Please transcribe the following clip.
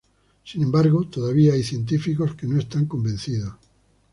Sin embargo, todavía hay científicos que no están convencidos.